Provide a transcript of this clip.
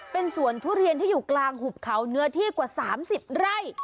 เป็นสวนทุเรียนที่อยู่กลางหุบเขาเนื้อที่กว่า๓๐ไร่